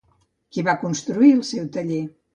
Qui va construir el seu taller?